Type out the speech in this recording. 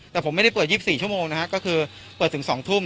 แต่ผมไม่ได้เปิด๒๔ชั่วโมงนะฮะก็คือเปิดถึง๒ทุ่ม